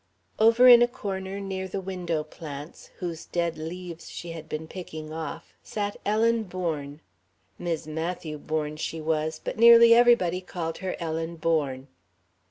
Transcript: Over in a corner near the window plants, whose dead leaves she had been picking off, sat Ellen Bourne Mis' Matthew Bourne she was, but nearly everybody called her Ellen Bourne.